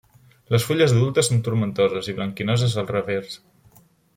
Les fulles adultes són tomentoses i blanquinoses al revers.